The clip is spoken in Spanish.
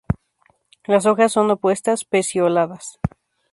Las hojas son opuestas, pecioladas.